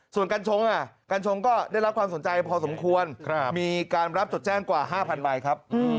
ส่วนกัญชงกัญชงก็ได้รับความสนใจพอสมควรมีการรับจดแจ้งกว่า๕๐๐ใบครับ